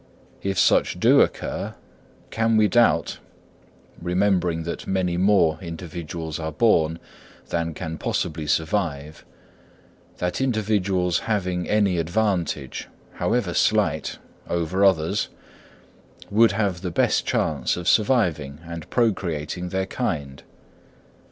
If such do occur, can we doubt (remembering that many more individuals are born than can possibly survive) that individuals having any advantage, however slight, over others, would have the best chance of surviving and procreating their kind?